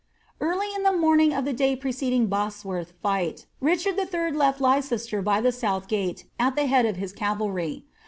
Early in the morning of the day preceding Bosworth fight, Richard III. left Leicester by the south gate at the head of his cavalry.